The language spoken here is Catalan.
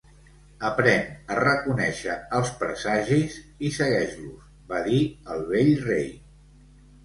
"Aprèn a reconèixer els presagis i segueix-los", va dir el vell rei.